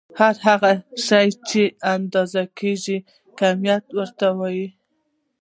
هر هغه شی چې اندازه کيږي کميت ورته وايې.